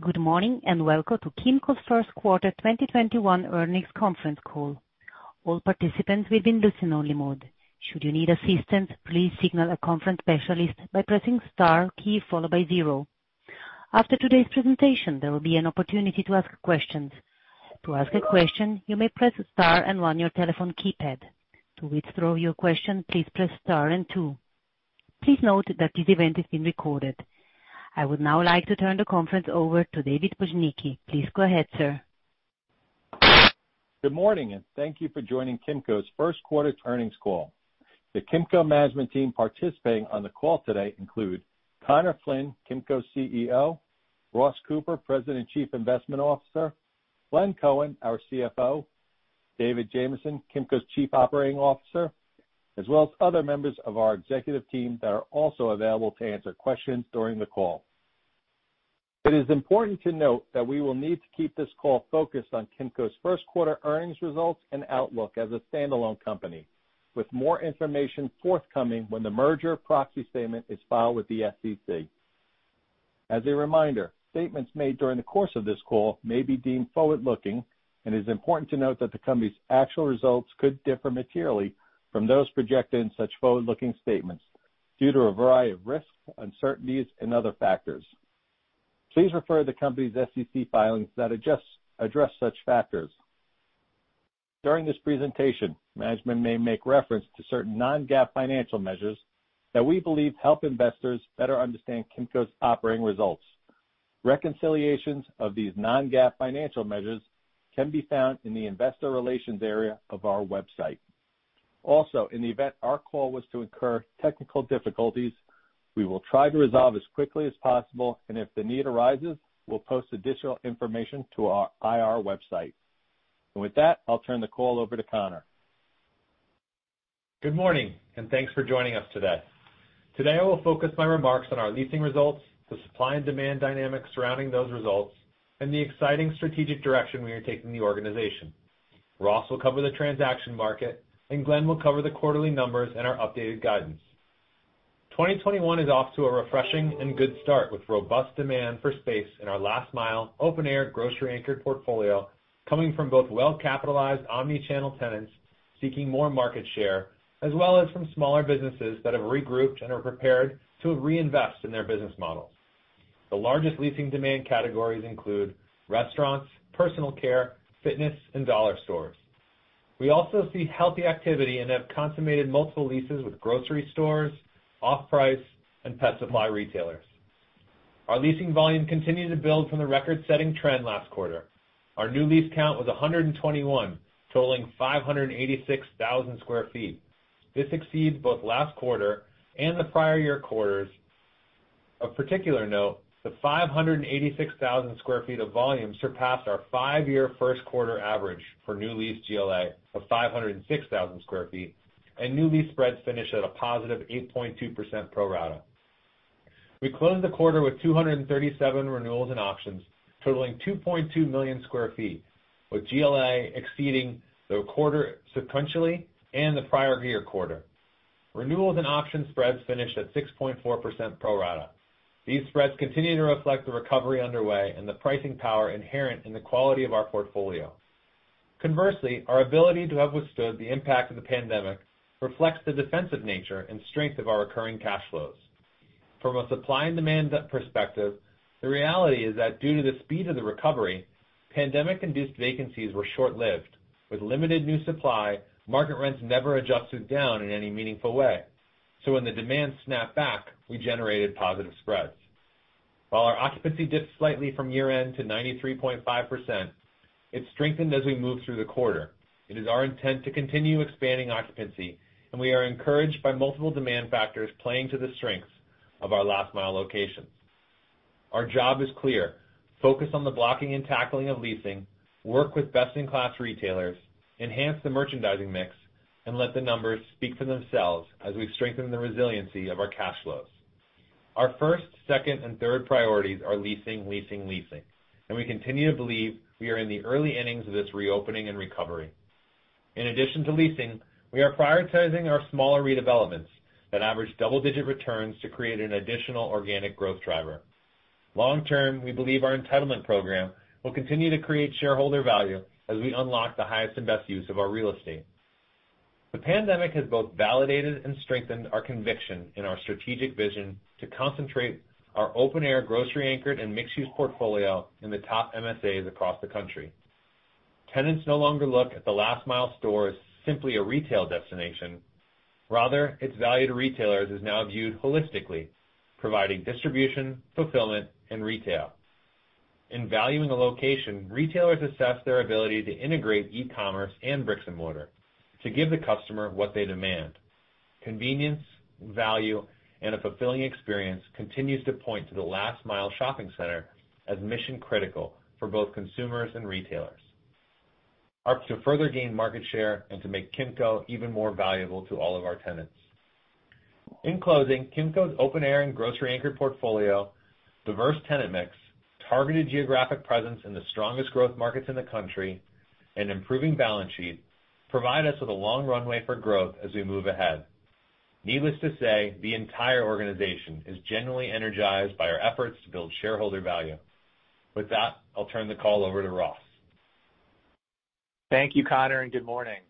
Good morning, welcome to Kimco's first quarter 2021 earnings conference call. All participants will be in listen only mode. Should you need assistance, please signal a conference specialist by pressing star key followed by zero. After today's presentation, there will be an opportunity to ask questions. To ask a question, you may press star and one on your telephone keypad. To withdraw your question, please press star and two. Please note that this event is being recorded. I would now like to turn the conference over to David Bujnicki. Please go ahead, sir. Good morning, and thank you for joining Kimco's first quarter earnings call. The Kimco management team participating on the call today include Conor Flynn, Kimco's CEO, Ross Cooper, President, Chief Investment Officer, Glenn Cohen, our CFO, David Jamieson, Kimco's Chief Operating Officer, as well as other members of our executive team that are also available to answer questions during the call. It is important to note that we will need to keep this call focused on Kimco's first quarter earnings results and outlook as a standalone company, with more information forthcoming when the merger proxy statement is filed with the SEC. As a reminder, statements made during the course of this call may be deemed forward-looking, and it is important to note that the company's actual results could differ materially from those projected in such forward-looking statements due to a variety of risks, uncertainties, and other factors. Please refer to the company's SEC filings that address such factors. During this presentation, management may make reference to certain non-GAAP financial measures that we believe help investors better understand Kimco's operating results. Reconciliations of these non-GAAP financial measures can be found in the investor relations area of our website. Also, in the event our call was to incur technical difficulties, we will try to resolve as quickly as possible, and if the need arises, we'll post additional information to our IR website. With that, I'll turn the call over to Conor. Good morning, thanks for joining us today. Today, I will focus my remarks on our leasing results, the supply and demand dynamics surrounding those results, and the exciting strategic direction we are taking the organization. Ross will cover the transaction market, and Glenn will cover the quarterly numbers and our updated guidance. 2021 is off to a refreshing and good start with robust demand for space in our last mile open air grocery-anchored portfolio coming from both well-capitalized omnichannel tenants seeking more market share, as well as from smaller businesses that have regrouped and are prepared to reinvest in their business models. The largest leasing demand categories include restaurants, personal care, fitness, and dollar stores. We also see healthy activity and have consummated multiple leases with grocery stores, off-price, and pet supply retailers. Our leasing volume continued to build from the record-setting trend last quarter. Our new lease count was 121, totaling 586,000 sq ft. This exceeds both last quarter and the prior year quarters. Of particular note, the 586,000 sq ft of volume surpassed our five-year first quarter average for new lease GLA of 506,000 sq ft, and new lease spreads finished at a positive 8.2% pro rata. We closed the quarter with 237 renewals and options, totaling 2.2 million sq ft, with GLA exceeding the quarter sequentially and the prior year quarter. Renewals and option spreads finished at 6.4% pro rata. These spreads continue to reflect the recovery underway and the pricing power inherent in the quality of our portfolio. Conversely, our ability to have withstood the impact of the pandemic reflects the defensive nature and strength of our recurring cash flows. From a supply and demand perspective, the reality is that due to the speed of the recovery, pandemic-induced vacancies were short-lived. With limited new supply, market rents never adjusted down in any meaningful way. When the demand snapped back, we generated positive spreads. While our occupancy dipped slightly from year-end to 93.5%, it strengthened as we moved through the quarter. It is our intent to continue expanding occupancy, and we are encouraged by multiple demand factors playing to the strengths of our last mile locations. Our job is clear: focus on the blocking and tackling of leasing, work with best-in-class retailers, enhance the merchandising mix, and let the numbers speak for themselves as we strengthen the resiliency of our cash flows. Our first, second, and third priorities are leasing, leasing, and we continue to believe we are in the early innings of this reopening and recovery. In addition to leasing, we are prioritizing our smaller redevelopments that average double-digit returns to create an additional organic growth driver. Long-term, we believe our entitlement program will continue to create shareholder value as we unlock the highest and best use of our real estate. The pandemic has both validated and strengthened our conviction in our strategic vision to concentrate our open air grocery anchored and mixed-use portfolio in the top MSAs across the country. Tenants no longer look at the last mile store as simply a retail destination. Rather, its value to retailers is now viewed holistically, providing distribution, fulfillment, and retail. In valuing a location, retailers assess their ability to integrate e-commerce and bricks and mortar to give the customer what they demand. Convenience, value, and a fulfilling experience continues to point to the last mile shopping center as mission critical for both consumers and retailers, up to further gain market share and to make Kimco even more valuable to all of our tenants. In closing, Kimco's open air and grocery-anchored portfolio, diverse tenant mix, targeted geographic presence in the strongest growth markets in the country, and improving balance sheet provide us with a long runway for growth as we move ahead. Needless to say, the entire organization is genuinely energized by our efforts to build shareholder value. With that, I'll turn the call over to Ross. Thank you, Conor. Good morning.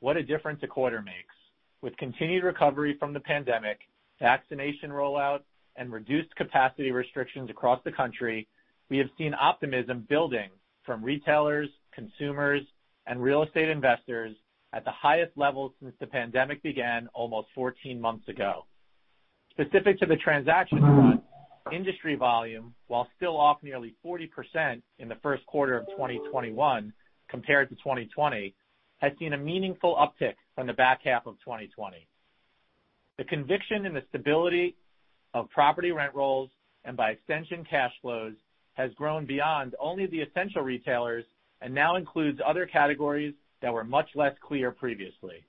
What a difference a quarter makes. With continued recovery from the pandemic, vaccination rollout, and reduced capacity restrictions across the country, we have seen optimism building from retailers, consumers, and real estate investors at the highest level since the pandemic began almost 14 months ago. Specific to the transaction front, industry volume, while still off nearly 40% in the first quarter of 2021 compared to 2020, has seen a meaningful uptick from the back half of 2020. The conviction in the stability of property rent rolls, and by extension, cash flows, has grown beyond only the essential retailers and now includes other categories that were much less clear previously.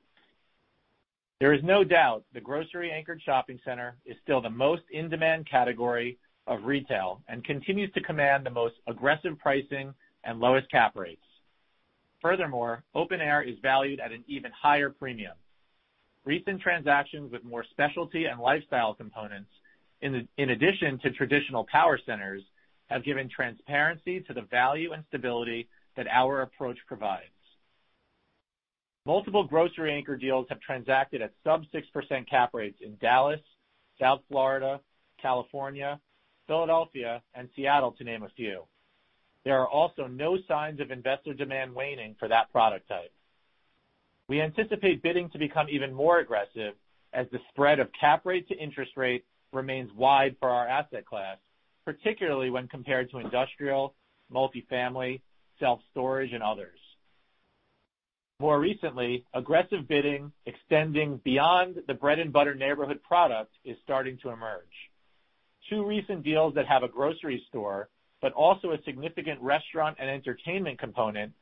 There is no doubt the grocery-anchored shopping center is still the most in-demand category of retail and continues to command the most aggressive pricing and lowest cap rates. Furthermore, open air is valued at an even higher premium. Recent transactions with more specialty and lifestyle components, in addition to traditional power centers, have given transparency to the value and stability that our approach provides. Multiple grocery anchor deals have transacted at sub 6% cap rates in Dallas, South Florida, California, Philadelphia, and Seattle, to name a few. There are also no signs of investor demand waning for that product type. We anticipate bidding to become even more aggressive as the spread of cap rate to interest rate remains wide for our asset class, particularly when compared to industrial, multifamily, self-storage, and others. More recently, aggressive bidding extending beyond the bread-and-butter neighborhood product is starting to emerge. Two recent deals that have a grocery store, but also a significant restaurant and entertainment component,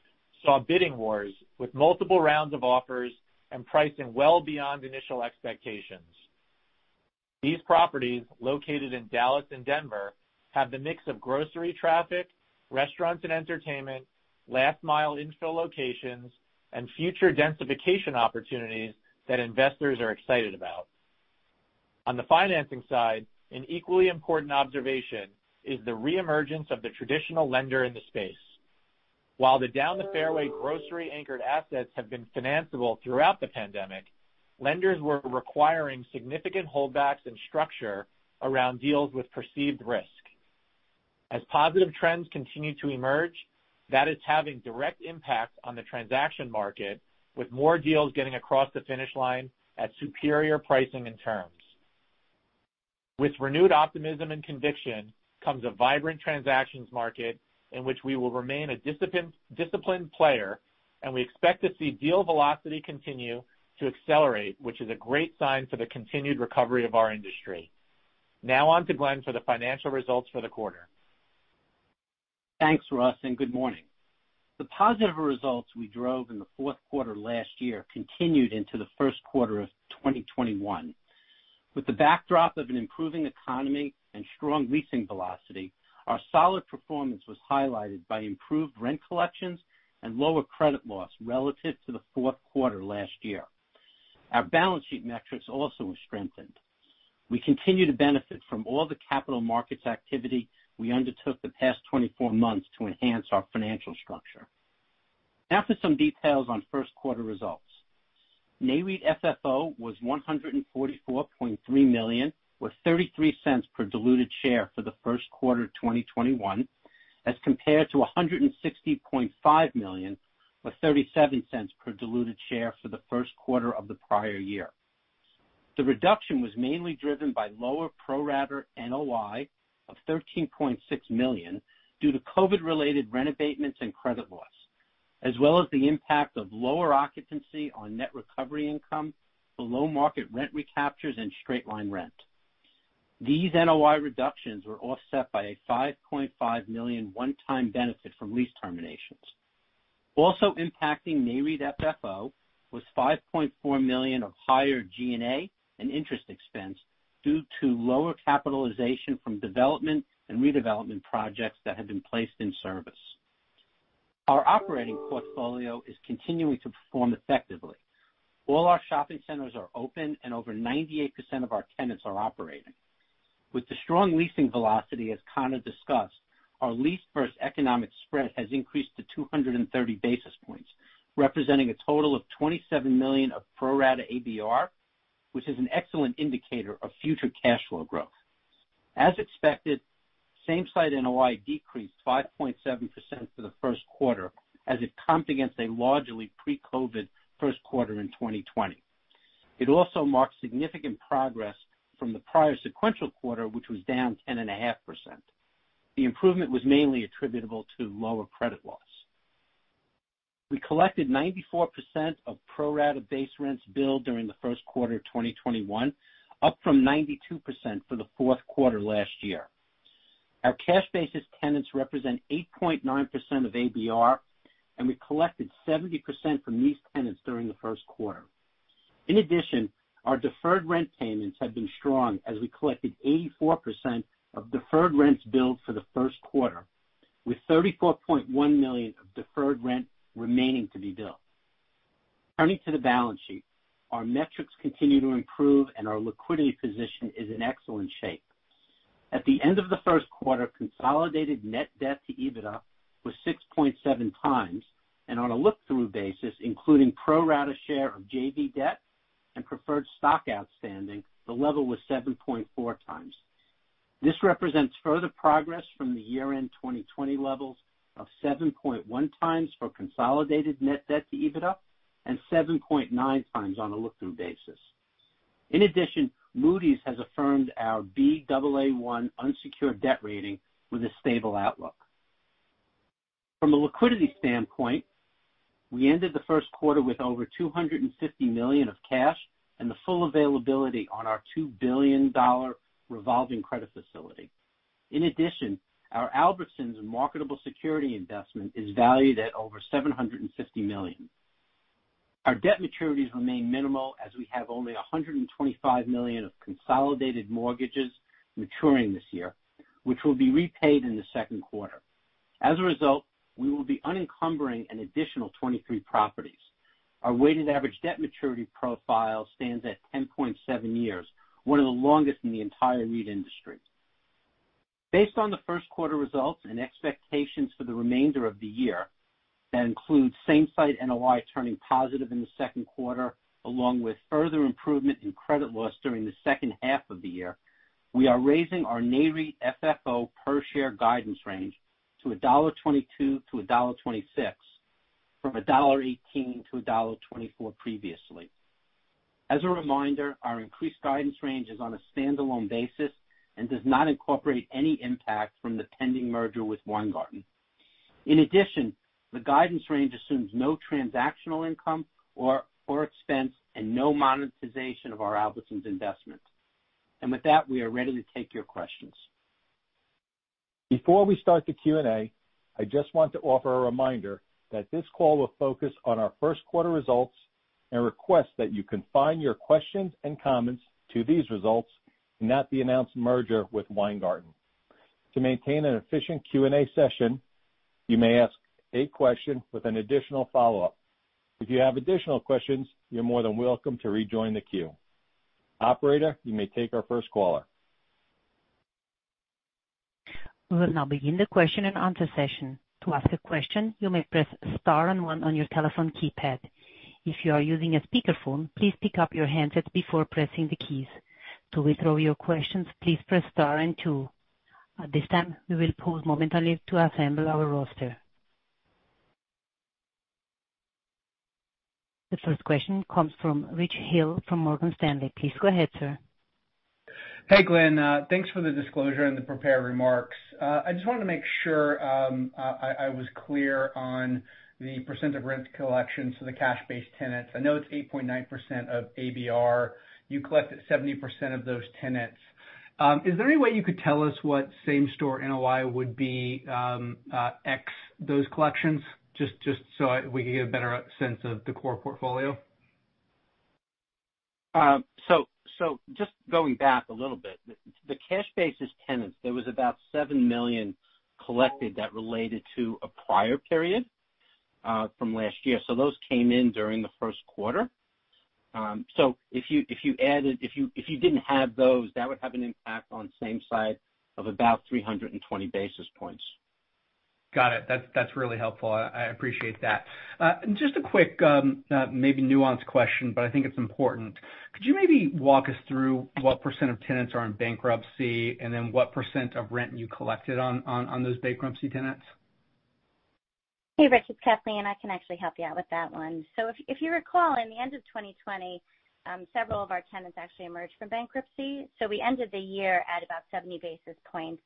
saw bidding wars with multiple rounds of offers and pricing well beyond initial expectations. These properties, located in Dallas and Denver, have the mix of grocery traffic, restaurants and entertainment, last-mile infill locations, and future densification opportunities that investors are excited about. On the financing side, an equally important observation is the reemergence of the traditional lender in the space. While the down-the-fairway grocery anchored assets have been financeable throughout the pandemic, lenders were requiring significant holdbacks and structure around deals with perceived risk. As positive trends continue to emerge, that is having direct impact on the transaction market, with more deals getting across the finish line at superior pricing and terms. With renewed optimism and conviction comes a vibrant transactions market in which we will remain a disciplined player, and we expect to see deal velocity continue to accelerate, which is a great sign for the continued recovery of our industry. Now on to Glenn for the financial results for the quarter. Thanks, Ross. Good morning. The positive results we drove in the fourth quarter last year continued into the first quarter of 2021. With the backdrop of an improving economy and strong leasing velocity, our solid performance was highlighted by improved rent collections and lower credit loss relative to the fourth quarter last year. Our balance sheet metrics also were strengthened. We continue to benefit from all the capital markets activity we undertook the past 24 months to enhance our financial structure. For some details on first quarter results. NAREIT FFO was $144.3 million, with $0.33 per diluted share for the first quarter 2021, as compared to $160.5 million, with $0.37 per diluted share for the first quarter of the prior year. The reduction was mainly driven by lower pro-rata NOI of $13.6 million due to COVID-related rent abatements and credit loss, as well as the impact of lower occupancy on net recovery income for low market rent recaptures and straight-line rent. These NOI reductions were offset by a $5.5 million one-time benefit from lease terminations. Also impacting NAREIT FFO was $5.4 million of higher G&A and interest expense due to lower capitalization from development and redevelopment projects that have been placed in service. Our operating portfolio is continuing to perform effectively. All our shopping centers are open and over 98% of our tenants are operating. With the strong leasing velocity, as Conor discussed, our lease versus economic spread has increased to 230 basis points, representing a total of $27 million of pro-rata ABR, which is an excellent indicator of future cash flow growth. As expected, same-site NOI decreased 5.7% for the first quarter as it comped against a largely pre-COVID first quarter in 2020. It also marked significant progress from the prior sequential quarter, which was down 10.5%. The improvement was mainly attributable to lower credit loss. We collected 94% of pro-rata base rents billed during the first quarter of 2021, up from 92% for the fourth quarter last year. Our cash basis tenants represent 8.9% of ABR, and we collected 70% from these tenants during the first quarter. In addition, our deferred rent payments have been strong as we collected 84% of deferred rents billed for the first quarter, with $34.1 million of deferred rent remaining to be billed. Turning to the balance sheet, our metrics continue to improve and our liquidity position is in excellent shape. At the end of the first quarter, consolidated net debt to EBITDA was 6.7x, and on a look-through basis, including pro-rata share of JV debt and preferred stock outstanding, the level was 7.4x. This represents further progress from the year-end 2020 levels of 7.1x for consolidated net debt to EBITDA and 7.9x on a look-through basis. In addition, Moody's has affirmed our Baa1 unsecured debt rating with a stable outlook. From a liquidity standpoint, we ended the first quarter with over $250 million of cash and the full availability on our $2 billion revolving credit facility. In addition, our Albertsons marketable security investment is valued at over $750 million. Our debt maturities remain minimal as we have only $125 million of consolidated mortgages maturing this year, which will be repaid in the second quarter. As a result, we will be unencumbering an additional 23 properties. Our weighted average debt maturity profile stands at 10.7 years, one of the longest in the entire REIT industry. Based on the first quarter results and expectations for the remainder of the year, that includes same-site NOI turning positive in the second quarter, along with further improvement in credit loss during the second half of the year, we are raising our NAREIT FFO per share guidance range to $1.22-$1.26 from $1.18-$1.24 previously. As a reminder, our increased guidance range is on a standalone basis and does not incorporate any impact from the pending merger with Weingarten. In addition, the guidance range assumes no transactional income or expense and no monetization of our Albertsons investment. With that, we are ready to take your questions. Before we start the Q&A, I just want to offer a reminder that this call will focus on our first quarter results and request that you confine your questions and comments to these results and not the announced merger with Weingarten. To maintain an efficient Q&A session, you may ask a question with an additional follow-up. If you have additional questions, you're more than welcome to rejoin the queue. Operator, you may take our first caller. We will now begin the question-and-answer session. To ask a question, you may press star one on your telephone keypad. If you are using a speakerphone, please pick up your handset before pressing the keys. To withdraw your questions, please press star and two. At this time, we will pause momentarily to assemble our roster. The first question comes from Rich Hill from Morgan Stanley. Please go ahead, sir. Hey Glenn. Thanks for the disclosure and the prepared remarks. I just wanted to make sure I was clear on the percent of rent collections for the cash-based tenants. I know it's 8.9% of ABR. You collected 70% of those tenants. Is there any way you could tell us what same-store NOI would be ex those collections, just so we can get a better sense of the core portfolio? Just going back a little bit, the cash basis tenants, there was about $7 million collected that related to a prior period from last year. Those came in during the first quarter. If you didn't have those, that would have an impact on same site of about 320 basis points. Got it. That's really helpful. I appreciate that. Just a quick, maybe nuanced question, but I think it's important. Could you maybe walk us through what percent of tenants are in bankruptcy, and then what percent of rent you collected on those bankruptcy tenants? Hey, Rich, it's Kathleen. I can actually help you out with that one. If you recall, in the end of 2020, several of our tenants actually emerged from bankruptcy. We ended the year at about 70 basis points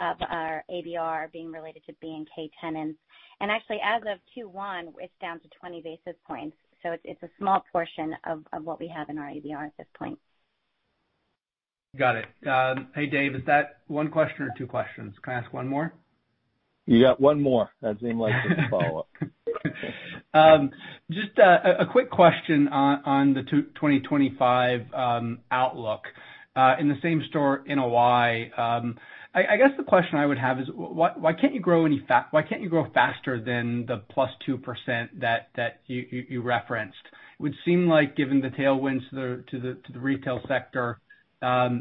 of our ABR being related to BK tenants. Actually, as of Q1, it's down to 20 basis points. It's a small portion of what we have in our ABR at this point. Got it. Hey, Dave, is that one question or two questions? Can I ask one more? You got one more. That seemed like it was a follow-up. Just a quick question on the 2025 outlook. In the same-store NOI, I guess the question I would have is, why can't you grow faster than the +2% that you referenced? It would seem like given the tailwinds to the retail sector,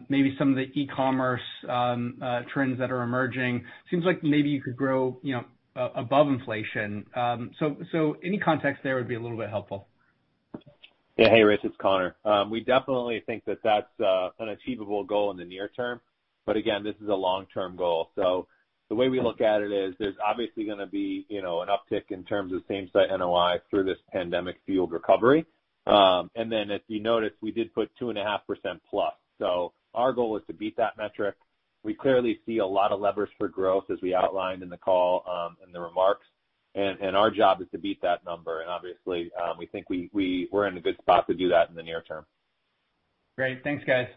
maybe some of the e-commerce trends that are emerging, seems like maybe you could grow above inflation. Any context there would be a little bit helpful. Yeah. Hey, Rich, it's Conor. We definitely think that that's an achievable goal in the near term, again, this is a long-term goal. The way we look at it is there's obviously going to be an uptick in terms of same-site NOI through this pandemic-fueled recovery. If you noticed, we did put 2.5%+. Our goal is to beat that metric. We clearly see a lot of levers for growth as we outlined in the call, in the remarks, and our job is to beat that number. Obviously, we think we're in a good spot to do that in the near term. Great. Thanks, guys.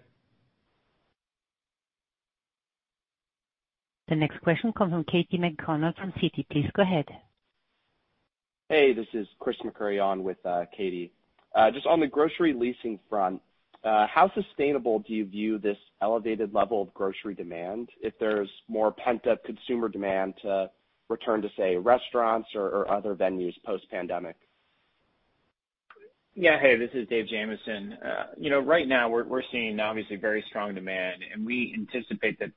The next question comes from Katy McConnell from Citi. Please go ahead. Hey, this is Chris McCurry on with Katy. Just on the grocery leasing front, how sustainable do you view this elevated level of grocery demand if there's more pent-up consumer demand to return to, say, restaurants or other venues post-pandemic? This is David Jamieson. Right now, we're seeing obviously very strong demand, and we anticipate that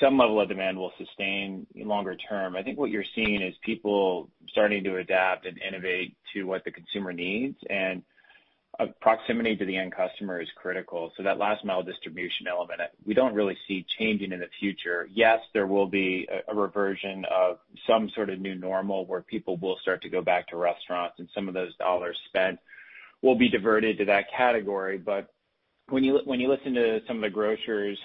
some level of demand will sustain longer term. I think what you're seeing is people starting to adapt and innovate to what the consumer needs, and proximity to the end customer is critical. That last mile distribution element, we don't really see changing in the future. Yes, there will be a reversion of some sort of new normal where people will start to go back to restaurants and some of those dollar spent will be diverted to that category. When you listen to some of the grocers,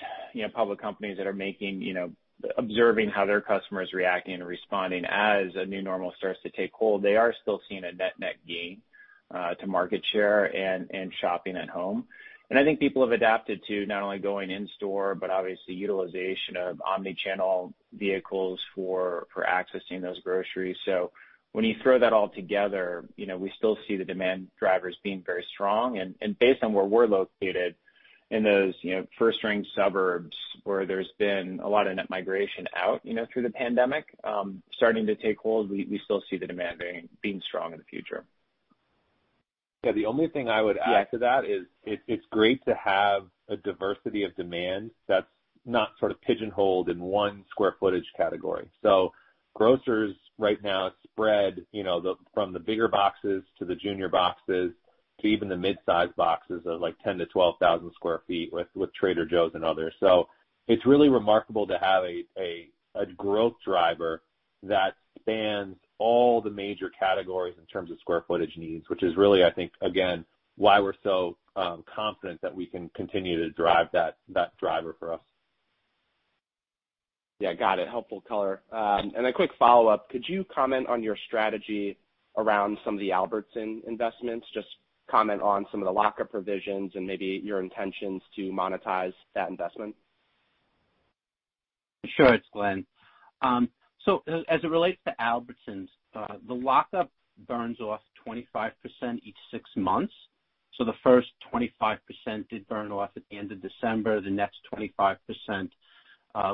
public companies that are observing how their customer is reacting and responding as a new normal start to take hold, they are still seeing a net gain to market share and shopping at home. I think people have adapted to not only going in store, but obviously utilization of omni-channel vehicles for accessing those groceries. When you throw that all together, we still see the demand drivers being very strong. Based on where we're located in those first-ring suburbs where there's been a lot of net migration out through the pandemic starting to take hold, we still see the demand being strong in the future. The only thing I would add to that is it's great to have a diversity of demand that's not sort of pigeonholed in one square footage category. Grocers right now spread from the bigger boxes to the junior boxes to even the mid-size boxes of 10,000 sq ft-12,000 sq ft with Trader Joe's and others. It's really remarkable to have a growth driver that spans all the major categories in terms of square footage needs, which is really, I think, again, why we're so confident that we can continue to drive that driver for us. Yeah. Got it. Helpful color. A quick follow-up, could you comment on your strategy around some of the Albertsons investments? Just comment on some of the lockup provisions and maybe your intentions to monetize that investment. Sure. It's Glenn. As it relates to Albertsons, the lockup burns off 25% each six months. The first 25% did burn off at the end of December. The next 25%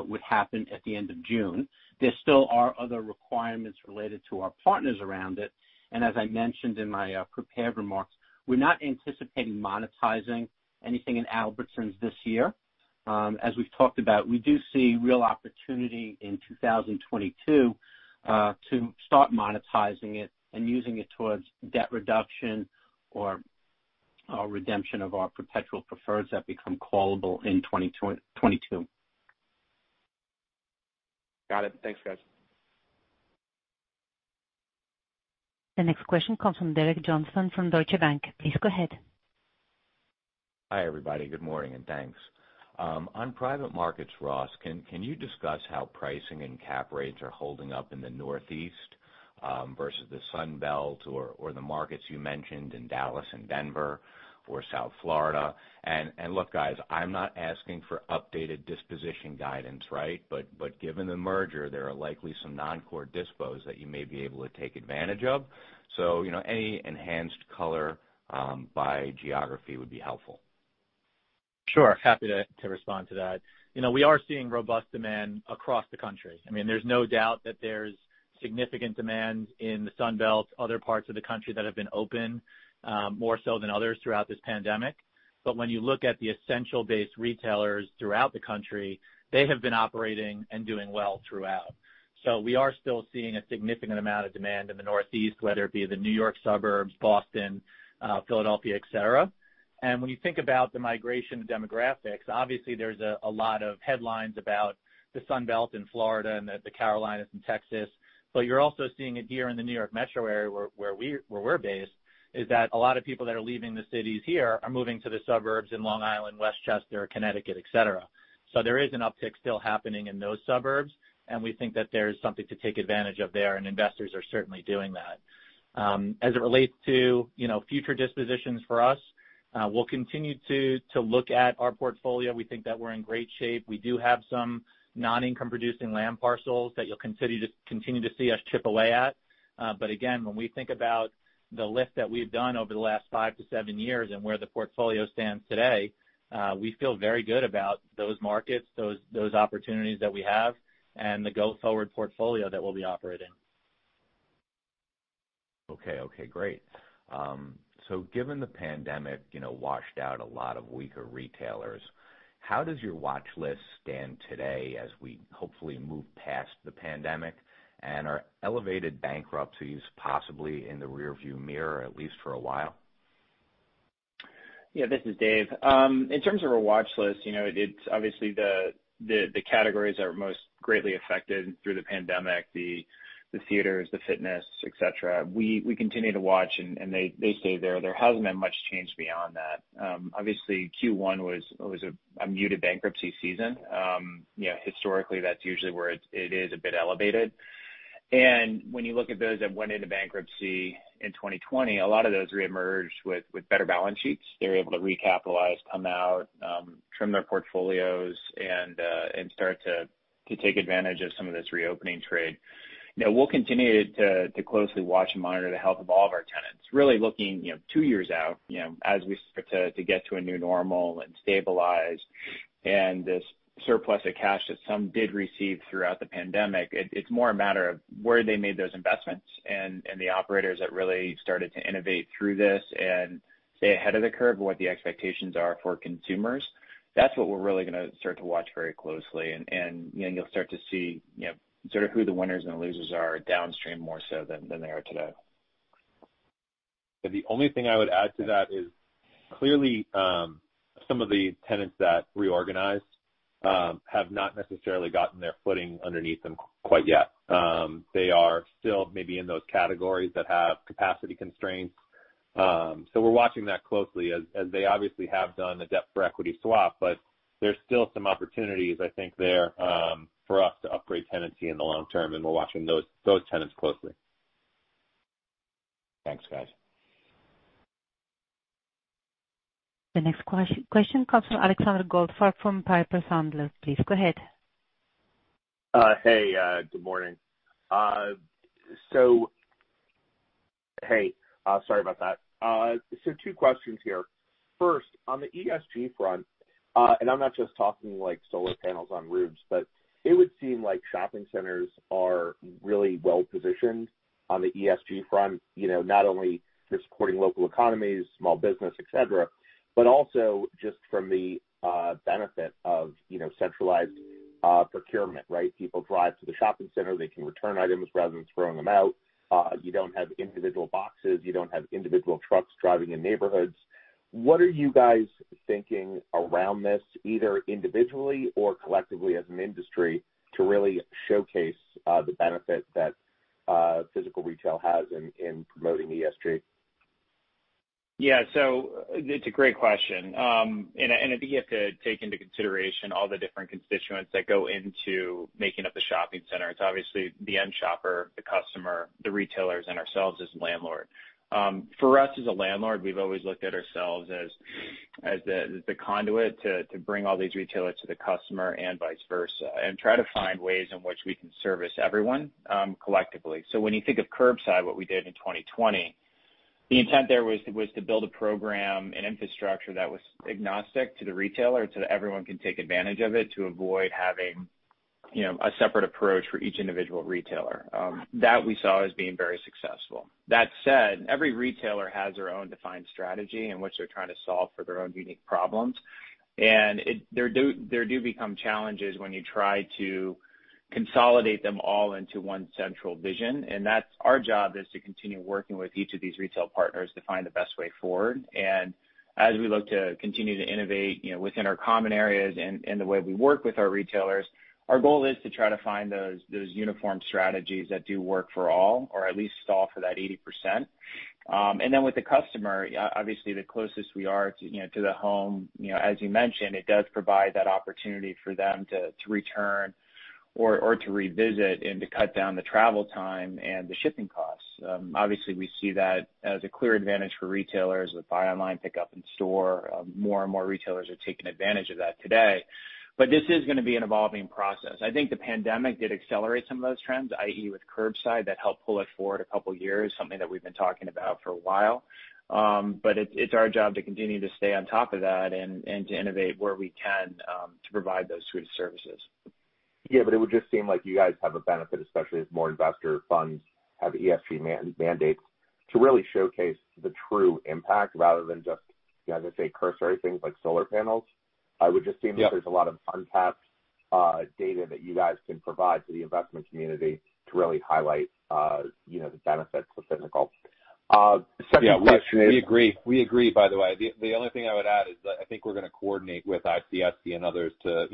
would happen at the end of June. There still are other requirements related to our partners around it, and as I mentioned in my prepared remarks, we're not anticipating monetizing anything in Albertsons this year. As we've talked about, we do see real opportunity in 2022 to start monetizing it and using it towards debt reduction or redemption of our perpetual preferreds that become callable in 2022. Got it. Thanks, guys. The next question comes from Derek Johnston from Deutsche Bank. Please go ahead. Hi, everybody. Good morning, and thanks. On private markets, Ross, can you discuss how pricing and cap rates are holding up in the Northeast versus the Sun Belt or the markets you mentioned in Dallas and Denver or South Florida? Look, guys, I'm not asking for updated disposition guidance, right? Given the merger, there are likely some non-core dispos that you may be able to take advantage of. Any enhanced color by geography would be helpful. Sure. Happy to respond to that. We are seeing robust demand across the country. There's no doubt that there's significant demand in the Sun Belt, other parts of the country that have been open more so than others throughout this pandemic. When you look at the essential-based retailers throughout the country, they have been operating and doing well throughout. We are still seeing a significant amount of demand in the Northeast, whether it be the New York suburbs, Boston, Philadelphia, et cetera. When you think about the migration demographics, obviously there's a lot of headlines about the Sun Belt in Florida and the Carolinas and Texas. You're also seeing it here in the New York metro area where we're based, is that a lot of people that are leaving the cities here are moving to the suburbs in Long Island, Westchester, Connecticut, et cetera. There is an uptick still happening in those suburbs, and we think that there is something to take advantage of there, and investors are certainly doing that. It relates to future dispositions for us, we'll continue to look at our portfolio. We think that we're in great shape. We do have some non-income producing land parcels that you'll continue to see us chip away at. Again, when we think about the lift that we've done over the last five to seven years and where the portfolio stands today, we feel very good about those markets, those opportunities that we have, and the go-forward portfolio that we'll be operating. Okay. Great. Given the pandemic washed out a lot of weaker retailers, how does your watch list stand today as we hopefully move past the pandemic, and are elevated bankruptcies possibly in the rearview mirror, at least for a while? This is David. In terms of our watch list, obviously the categories that are most greatly affected through the pandemic, the theaters, the fitness, et cetera, we continue to watch, and they stay there. There hasn't been much change beyond that. Obviously Q1 was a muted bankruptcy season. Historically, that's usually where it is a bit elevated. When you look at those that went into bankruptcy in 2020, a lot of those reemerged with better balance sheets. They were able to recapitalize, come out, trim their portfolios, and start to take advantage of some of this reopening trade. We'll continue to closely watch and monitor the health of all of our tenants. Really looking two years out, as we start to get to a new normal and stabilize and this surplus of cash that some did receive throughout the pandemic, it's more a matter of where they made those investments and the operators that really started to innovate through this and stay ahead of the curve of what the expectations are for consumers. That's what we're really going to start to watch very closely. You'll start to see sort of who the winners and losers are downstream more so than they are today. The only thing I would add to that is clearly some of the tenants that reorganized have not necessarily gotten their footing underneath them quite yet. They are still maybe in those categories that have capacity constraints. We're watching that closely as they obviously have done a debt for equity swap, but there's still some opportunities, I think, there for us to upgrade tenancy in the long term, and we're watching those tenants closely. Thanks, guys. The next question comes from Alexander Goldfarb from Piper Sandler. Please go ahead. Hey, good morning. Hey, sorry about that. Two questions here. First, on the ESG front, I'm not just talking solar panels on roofs, but it would seem like shopping centers are really well-positioned on the ESG front. Not only they're supporting local economies, small business, et cetera, but also just from the benefit of centralized procurement, right? People drive to the shopping center, they can return items rather than throwing them out. You don't have individual boxes. You don't have individual trucks driving in neighborhoods. What are you guys thinking around this, either individually or collectively as an industry to really showcase the benefit that physical retail has in promoting ESG? It's a great question. I think you have to take into consideration all the different constituents that go into making up the shopping center. It's obviously the end shopper, the customer, the retailers, and ourselves as the landlord. For us as a landlord, we've always looked at ourselves as the conduit to bring all these retailers to the customer and vice versa and try to find ways in which we can service everyone collectively. When you think of curbside, what we did in 2020, the intent there was to build a program and infrastructure that was agnostic to the retailer so that everyone can take advantage of it to avoid having a separate approach for each individual retailer. That we saw as being very successful. That said, every retailer has their own defined strategy in which they're trying to solve for their own unique problems. There do become challenges when you try to consolidate them all into one central vision. That's our job is to continue working with each of these retail partners to find the best way forward. As we look to continue to innovate within our common areas and the way we work with our retailers, our goal is to try to find those uniform strategies that do work for all or at least solve for that 80%. With the customer, obviously the closest we are to the home. As you mentioned, it does provide that opportunity for them to return or to revisit and to cut down the travel time and the shipping costs. Obviously, we see that as a clear advantage for retailers with buy online, pick up in store. More and more retailers are taking advantage of that today. This is going to be an evolving process. I think the pandemic did accelerate some of those trends, i.e., with curbside, that helped pull it forward a couple of years, something that we've been talking about for a while. It's our job to continue to stay on top of that and to innovate where we can to provide those suite of services. Yeah, it would just seem like you guys have a benefit, especially as more investor funds have ESG mandates to really showcase the true impact rather than just, as I say, cursory things like solar panels. Yep. It would just seem that there's a lot of untapped data that you guys can provide to the investment community to really highlight the benefits of physical. Second question is? Yeah. We agree, by the way. The only thing I would add is that I think we're going to coordinate with ICSC and others to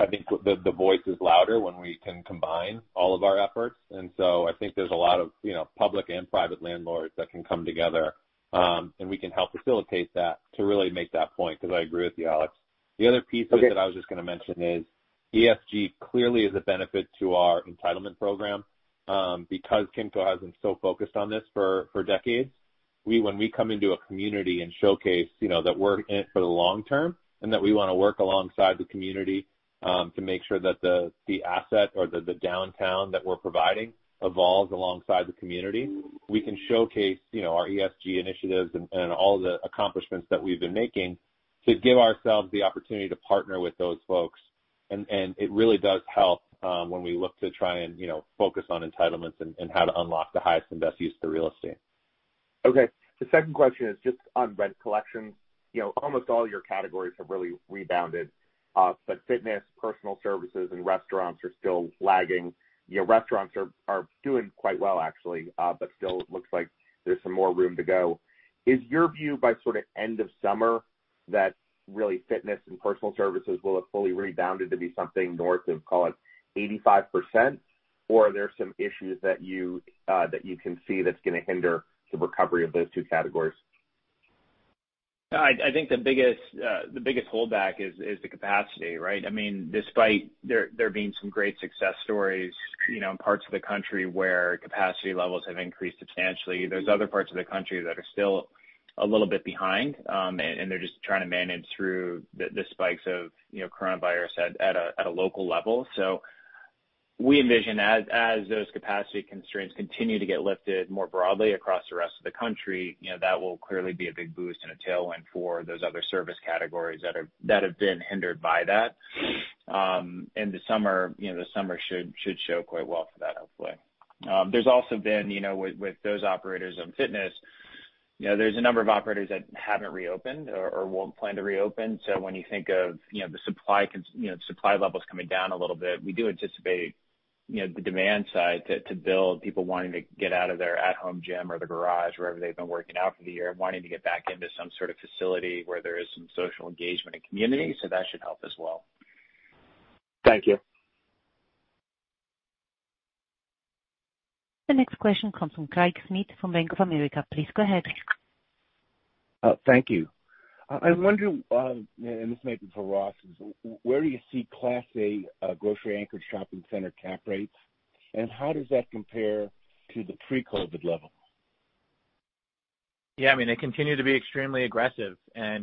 I think the voice is louder when we can combine all of our efforts. I think there's a lot of public and private landlords that can come together, and we can help facilitate that to really make that point, because I agree with you, Alex. Okay That I was just going to mention is ESG clearly is a benefit to our entitlement program. Because Kimco has been so focused on this for decades, when we come into a community and showcase that we're in it for the long term and that we want to work alongside the community to make sure that the asset or the downtown that we're providing evolves alongside the community, we can showcase our ESG initiatives and all the accomplishments that we've been making to give ourselves the opportunity to partner with those folks. It really does help when we look to try and focus on entitlements and how to unlock the highest and best use of the real estate. Okay. The second question is just on rent collection. Almost all your categories have really rebounded. Fitness, personal services, and restaurants are still lagging. Restaurants are doing quite well, actually, but still looks like there's some more room to go. Is your view by sort of end of summer that really fitness and personal services will have fully rebounded to be something north of, call it, 85%? Are there some issues that you can see that's going to hinder the recovery of those two categories? I think the biggest holdback is the capacity, right? Despite there being some great success stories in parts of the country where capacity levels have increased substantially, there's other parts of the country that are still a little bit behind, and they're just trying to manage through the spikes of coronavirus at a local level. We envision as those capacity constraints continue to get lifted more broadly across the rest of the country, that will clearly be a big boost and a tailwind for those other service categories that have been hindered by that. In the summer. The summer should show quite well for that, hopefully. There's also been, with those operators of fitness, there's a number of operators that haven't reopened or won't plan to reopen. When you think of the supply levels coming down a little bit, we do anticipate the demand side to build people wanting to get out of their at-home gym or the garage, wherever they've been working out for the year, wanting to get back into some sort of facility where there is some social engagement and community. That should help as well. Thank you. The next question comes from Craig Schmidt from Bank of America. Please go ahead. Thank you. I was wondering, and this may be for Ross, where do you see class A grocery anchored shopping center cap rates, and how does that compare to the pre-COVID level? Yeah, they continue to be extremely aggressive.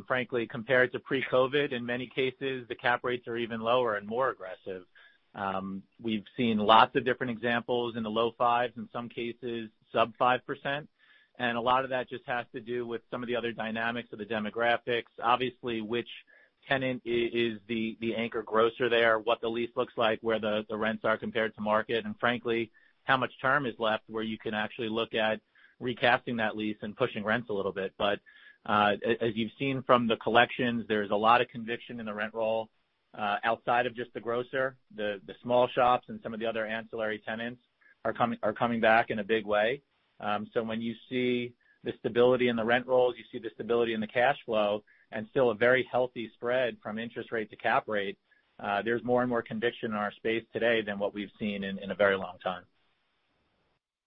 Frankly, compared to pre-COVID, in many cases, the cap rates are even lower and more aggressive. We've seen lots of different examples in the low fives, in some cases sub 5%. A lot of that just has to do with some of the other dynamics of the demographics, obviously, which tenant is the anchor grocer there, what the lease looks like, where the rents are compared to market, and frankly, how much term is left, where you can actually look at recasting that lease and pushing rents a little bit. As you've seen from the collections, there's a lot of conviction in the rent roll outside of just the grocer. The small shops and some of the other ancillary tenants are coming back in a big way. When you see the stability in the rent rolls, you see the stability in the cash flow and still a very healthy spread from interest rate to cap rate. There's more and more conviction in our space today than what we've seen in a very long time.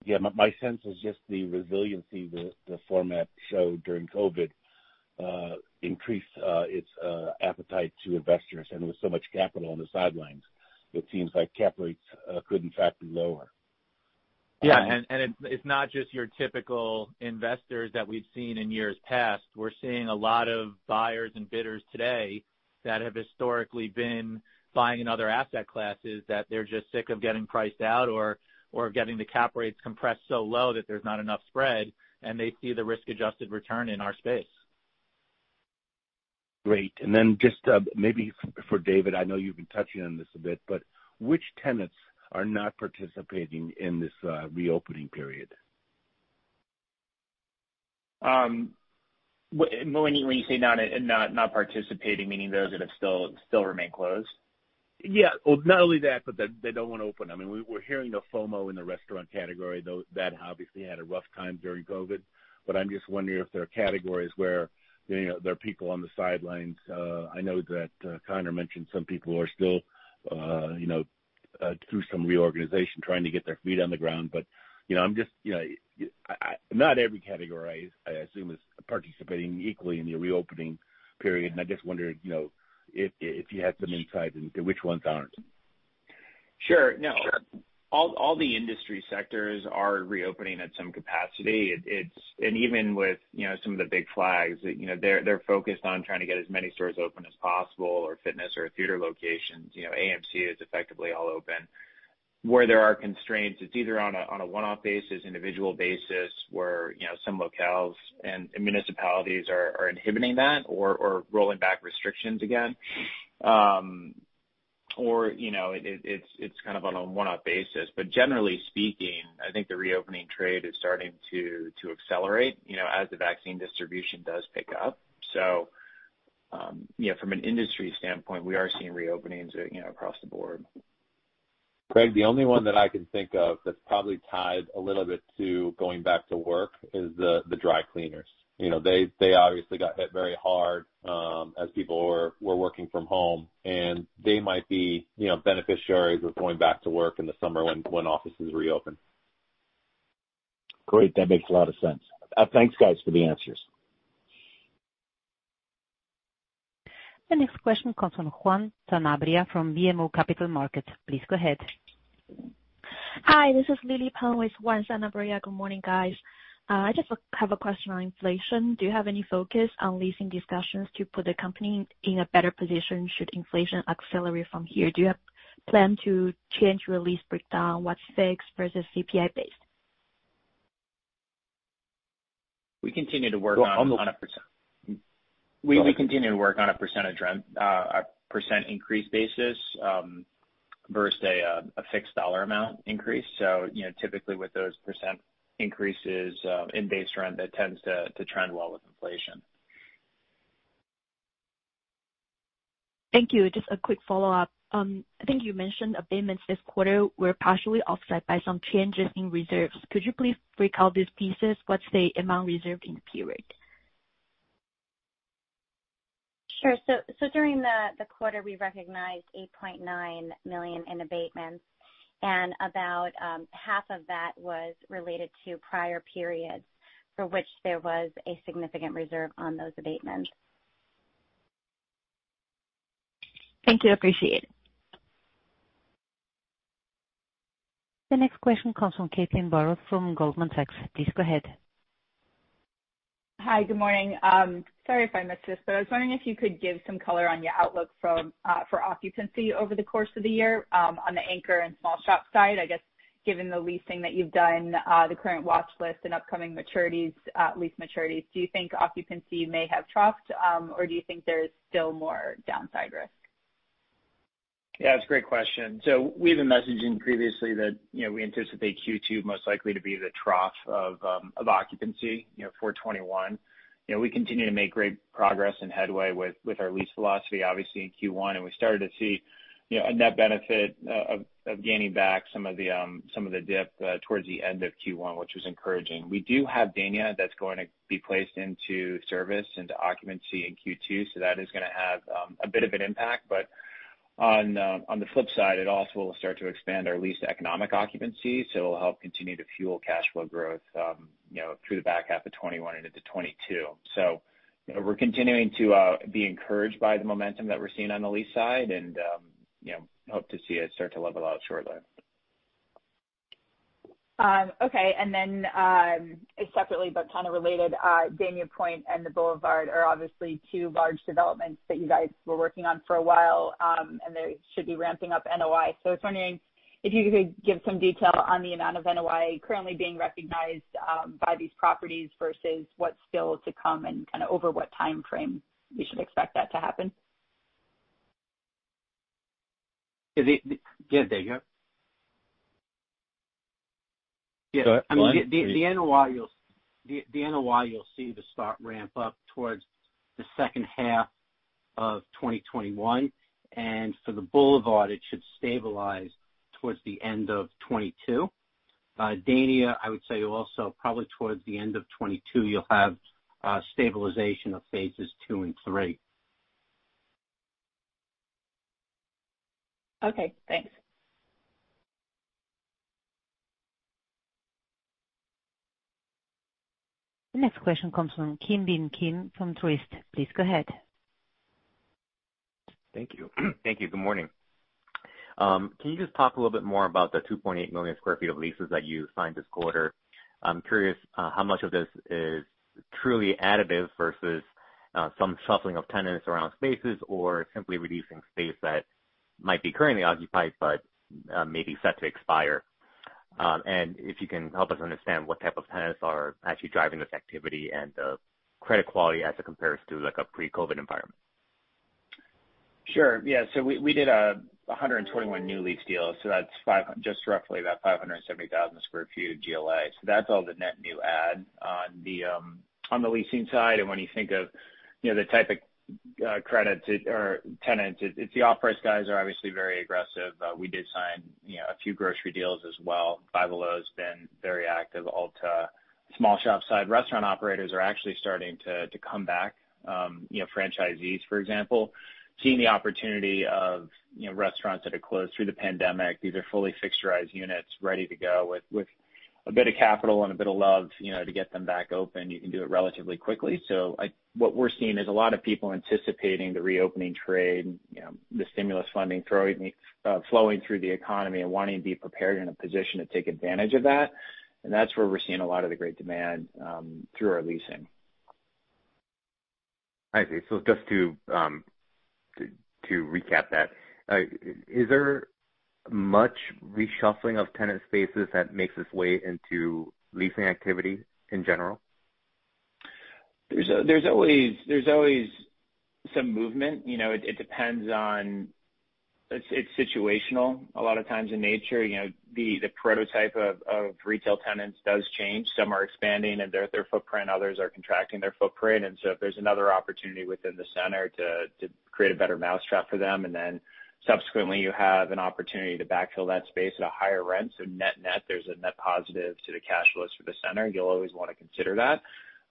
Yeah. My sense is just the resiliency the format showed during COVID increased its appetite to investors. With so much capital on the sidelines, it seems like cap rates could in fact be lower. Yeah. It's not just your typical investors that we've seen in years past. We're seeing a lot of buyers and bidders today that have historically been buying in other asset classes that they're just sick of getting priced out or getting the cap rates compressed so low that there's not enough spread, and they see the risk-adjusted return in our space. Great. Just maybe for David, I know you've been touching on this a bit, but which tenants are not participating in this reopening period? When you say not participating, meaning those that have still remained closed? Well, not only that, but they don't want to open. We're hearing the FOMO in the restaurant category that obviously had a rough time during COVID, but I'm just wondering if there are categories where there are people on the sidelines. I know that Conor mentioned some people are still through some reorganization, trying to get their feet on the ground. Not every category, I assume, is participating equally in the reopening period. I just wondered if you had some insights into which ones aren't. Sure. No. All the industry sectors are reopening at some capacity. Even with some of the big flags, they're focused on trying to get as many stores open as possible or fitness or theater locations. AMC is effectively all open. Where there are constraints, it's either on a one-off basis, individual basis, where some locales and municipalities are inhibiting that or rolling back restrictions again. It's kind of on a one-off basis. Generally speaking, I think the reopening trade is starting to accelerate as the vaccine distribution does pick up. From an industry standpoint, we are seeing reopenings across the board. Craig, the only one that I can think of that's probably tied a little bit to going back to work is the dry cleaners. They obviously got hit very hard as people were working from home, and they might be beneficiaries of going back to work in the summer when offices reopen. Great. That makes a lot of sense. Thanks, guys, for the answers. The next question comes from Juan Sanabria from BMO Capital Markets. Please go ahead. Hi, this is Lili Peng with Juan Sanabria. Good morning, guys. I just have a question on inflation. Do you have any focus on leasing discussions to put the company in a better position should inflation accelerate from here? Do you have plan to change your lease breakdown? What's fixed versus CPI based? We continue to work on a percent increase basis versus a fixed dollar amount increase. Typically, with those percent increases in base rent, that tends to trend well with inflation. Thank you. Just a quick follow-up. I think you mentioned abatements this quarter were partially offset by some changes in reserves. Could you please break out these pieces? What's the amount reserved in the period? Sure. During the quarter, we recognized $8.9 million in abatements, and about half of that was related to prior periods for which there was a significant reserve on those abatements. Thank you. Appreciate it. The next question comes from Caitlin Burrows from Goldman Sachs. Please go ahead. Hi, good morning. Sorry if I missed this, but I was wondering if you could give some color on your outlook for occupancy over the course of the year on the anchor and small shop side. I guess, given the leasing that you've done, the current watch list, and upcoming lease maturities, do you think occupancy may have troughed, or do you think there's still more downside risk? That's a great question. We've been messaging previously that we anticipate Q2 most likely to be the trough of occupancy for 2021. We continue to make great progress and headway with our lease philosophy, obviously in Q1, and we started to see a net benefit of gaining back some of the dip towards the end of Q1, which was encouraging. We do have Dania that's going to be placed into service into occupancy in Q2, that is going to have a bit of an impact. On the flip side, it also will start to expand our lease economic occupancy. It'll help continue to fuel cash flow growth through the back half of 2021 and into 2022. We're continuing to be encouraged by the momentum that we're seeing on the lease side, and hope to see it start to level out shortly. Okay. Separately, but kind of related, Dania Pointe and The Boulevard are obviously two large developments that you guys were working on for a while, and they should be ramping up NOI. I was wondering if you could give some detail on the amount of NOI currently being recognized by these properties versus what's still to come and kind of over what timeframe we should expect that to happen. Yeah. The NOI you'll see the start ramp up towards the second half of 2021. For The Boulevard, it should stabilize towards the end of 2022. Dania, I would say also probably towards the end of 2022 you'll have stabilization of phases II and phase III. Okay, thanks. The next question comes from Ki Bin Kim from Truist. Please go ahead. Thank you. Thank you. Good morning. Can you just talk a little bit more about the 2.8 million sq ft of leases that you signed this quarter? I'm curious how much of this is truly additive versus some shuffling of tenants around spaces or simply reducing space that might be currently occupied, but may be set to expire. If you can help us understand what type of tenants are actually driving this activity and the credit quality as it compares to like a pre-COVID environment? Sure. Yeah. We did 121 new lease deals, that's just roughly about 570,000 sq ft of GLA. When you think of the type of credits or tenants, it's the off-price guys are obviously very aggressive. We did sign a few grocery deals as well. Five Below has been very active. Ulta. Small shop side restaurant operators are actually starting to come back. Franchisees, for example, seeing the opportunity of restaurants that are closed through the pandemic. These are fully fixturized units ready to go with a bit of capital and a bit of love to get them back open. You can do it relatively quickly. What we're seeing is a lot of people anticipating the reopening trade and the stimulus funding flowing through the economy and wanting to be prepared in a position to take advantage of that. That's where we're seeing a lot of the great demand through our leasing. I see. Just to recap that, is there much reshuffling of tenant spaces that makes its way into leasing activity in general? There's always some movement. It's situational a lot of times in nature. The prototype of retail tenants does change. Some are expanding their footprint, others are contracting their footprint. If there's another opportunity within the center to create a better mousetrap for them, subsequently you have an opportunity to backfill that space at a higher rent. Net-net, there's a net positive to the cash flow for the center. You'll always want to consider that,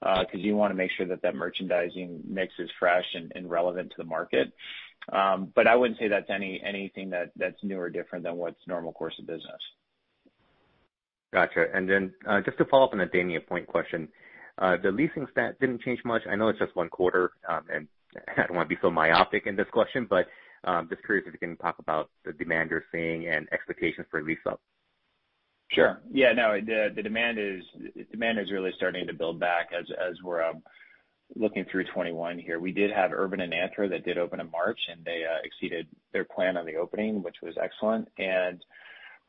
because you want to make sure that that merchandising mix is fresh and relevant to the market. I wouldn't say that's anything that's new or different than what's normal course of business. Got you. Just to follow up on the Dania Pointe question, the leasing stat didn't change much. I know it's just one quarter, and I don't want to be so myopic in this question, but just curious if you can talk about the demand you're seeing and expectations for lease up. Sure. Yeah, no, the demand is really starting to build back as we're looking through 2021 here. We did have Urban Outfitters and Anthropologie that did open in March. They exceeded their plan on the opening, which was excellent.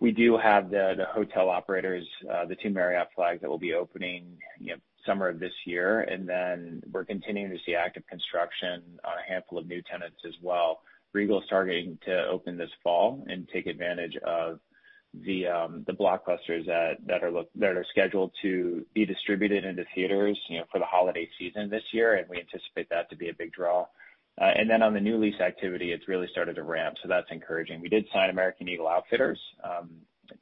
We do have the hotel operators, the two Marriott International flags that will be opening summer of this year. We're continuing to see active construction on a handful of new tenants as well. Regal targeting to open this fall and take advantage of the blockbusters that are scheduled to be distributed into theaters for the holiday season this year, and we anticipate that to be a big draw. On the new lease activity, it's really started to ramp. That's encouraging. We did sign American Eagle Outfitters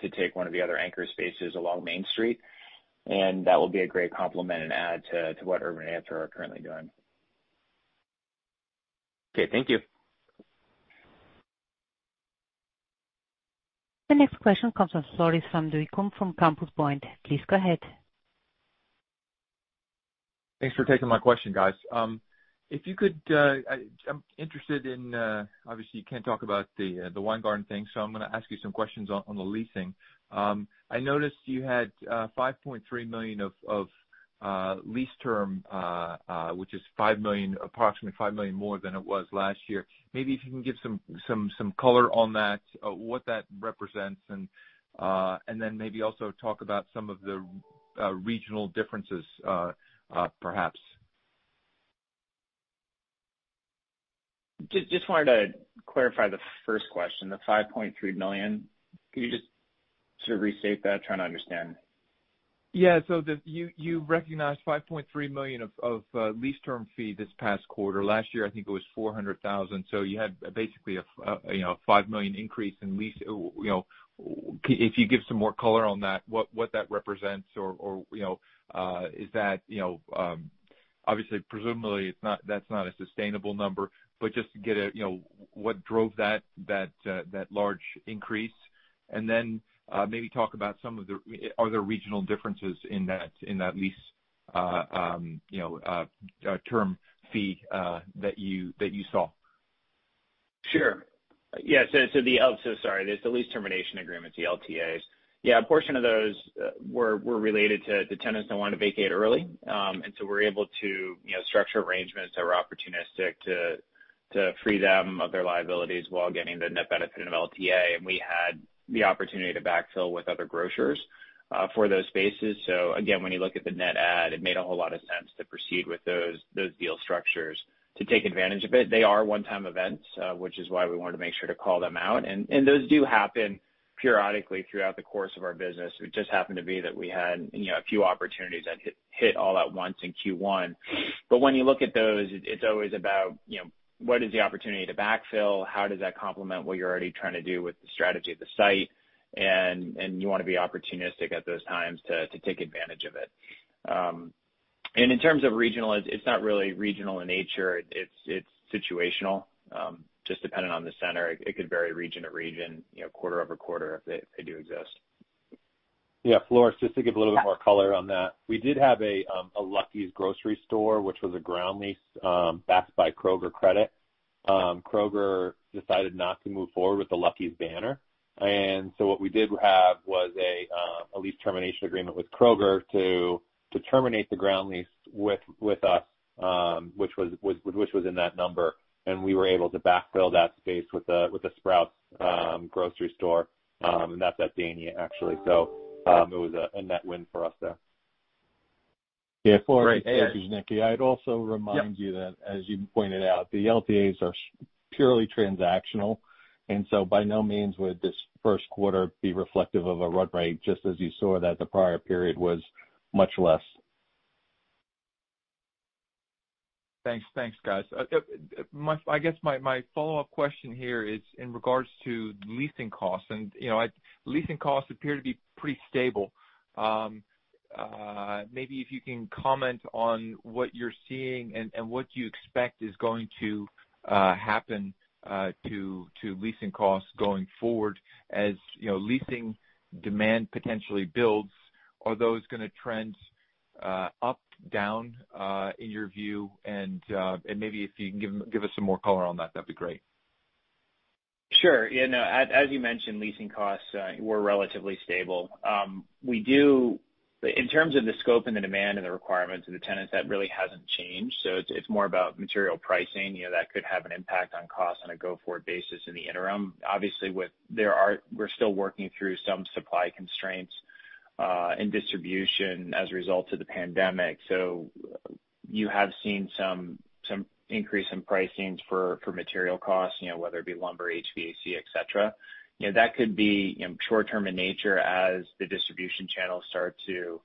to take one of the other anchor spaces along Main Street. That will be a great complement and add to what Urban and Anthro are currently doing. Okay, thank you. The next question comes from Floris van Dijkum from Compass Point. Please go ahead. Thanks for taking my question, guys. If you could, I'm interested. Obviously, you can't talk about the Weingarten thing, I'm going to ask you some questions on the leasing. I noticed you had $5.3 million of lease term, which is approximately $5 million more than it was last year. Maybe if you can give some color on that, what that represents, maybe also talk about some of the regional differences, perhaps? Just wanted to clarify the first question, the $5.3 million. Can you just sort of restate that? I'm trying to understand. Yeah. You recognized $5.3 million of lease term fee this past quarter. Last year, I think it was $400,000. You had basically a $5 million increase in lease. If you give some more color on that, what that represents, or is that, obviously, presumably, that's not a sustainable number, but just to get what drove that large increase? Maybe talk about some of the other regional differences in that lease term fee that you saw. Sure. Yeah. Sorry, it's the lease termination agreements, the LTAs. A portion of those were related to tenants that wanted to vacate early. We're able to structure arrangements that were opportunistic to free them of their liabilities while getting the net benefit of LTA. We had the opportunity to backfill with other grocers for those spaces. Again, when you look at the net add, it made a whole lot of sense to proceed with those deal structures to take advantage of it. They are one-time events, which is why we wanted to make sure to call them out, and those do happen periodically throughout the course of our business. It just happened to be that we had a few opportunities that hit all at once in Q1. When you look at those, it's always about what is the opportunity to backfill, how does that complement what you're already trying to do with the strategy of the site, and you want to be opportunistic at those times to take advantage of it. In terms of regional, it's not really regional in nature. It's situational, just dependent on the center. It could vary region to region, quarter-over-quarter, if they do exist. Yeah, Floris, just to give a little bit more color on that. We did have a Lucky's grocery store, which was a ground lease backed by Kroger Credit. Kroger decided not to move forward with the Lucky's banner. What we did have was a lease termination agreement with Kroger to terminate the ground lease with us, which was in that number, and we were able to backfill that space with a Sprouts grocery store, and that's at Dania, actually. It was a net win for us there. Great. Hey. Floris, this is Nicky. I'd also remind you that, as you pointed out, the LTAs are purely transactional, and so by no means would this first quarter be reflective of a run rate, just as you saw that the prior period was much less. Thanks, guys. I guess my follow-up question here is in regards to leasing costs. Leasing costs appear to be pretty stable. Maybe if you can comment on what you're seeing and what you expect is going to happen to leasing costs going forward. As leasing demand potentially builds, are those going to trend up, down, in your view? Maybe if you can give us some more color on that'd be great. Sure. As you mentioned, leasing costs were relatively stable. In terms of the scope and the demand and the requirements of the tenants, that really hasn't changed. It's more about material pricing that could have an impact on costs on a go-forward basis in the interim. Obviously, we're still working through some supply constraints in distribution as a result of the pandemic. You have seen some increase in pricings for material costs, whether it be lumber, HVAC, et cetera. That could be short-term in nature as the distribution channels start to